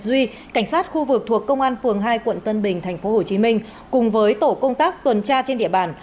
duy cảnh sát khu vực thuộc công an phường hai quận tân bình tp hcm cùng với tổ công tác tuần tra trên địa bàn